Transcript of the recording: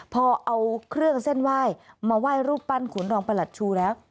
พอเอาเครื่องเส้นไหว้มาไหว้รูปปั้นขุนรองประหลัดชูแล้ว